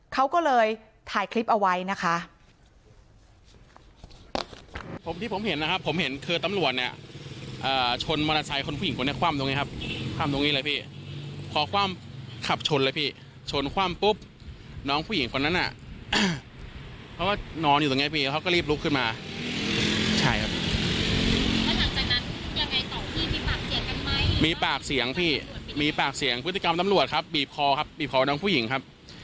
เขาก็เลยถ่ายคลิปเอาไว้นะคะ